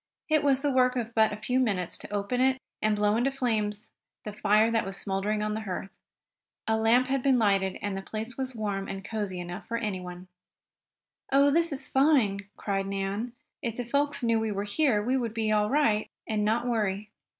It was the work of but a few minutes to open it, and blow into flames the fire that was smouldering on the hearth. A lamp had been lighted and the place was warm and cozy enough for anyone. "Oh, this is fine!" cried Nan. "If the folks knew we were here we would be all right, and not worry."